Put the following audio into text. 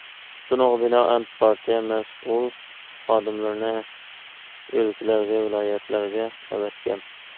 شۇنىڭغا بىنائەن پارتىيە مەسئۇل خادىملىرىنى ئۆلكىلەرگە، ۋىلايەتلەرگە ئەۋەتكەن.